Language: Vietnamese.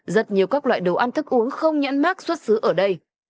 rất nhiều các loại đồ ăn thức uống không nhãn mát xuất xứ ở đây